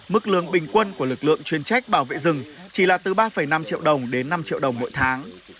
mức lương bình quân của lực lượng chuyên trách bảo vệ rừng chỉ là từ ba năm triệu đồng đến năm triệu đồng mỗi tháng